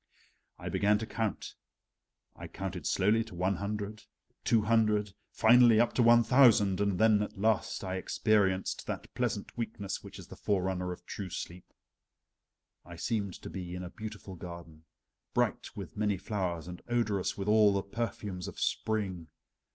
I began to count: I counted slowly to one hundred, two hundred, finally up to one thousand, and then at last I experienced that pleasant weakness which is the forerunner of true sleep. I seemed to be in a beautiful garden, bright with many flowers and odorous with all the perfumes of spring.